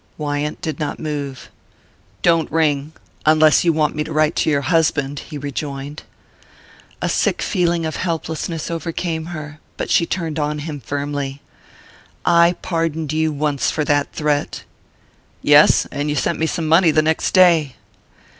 Wyant did not move. "Don't ring unless you want me to write to your husband," he rejoined. A sick feeling of helplessness overcame her; but she turned on him firmly. "I pardoned you once for that threat!" "Yes and you sent me some money the next day."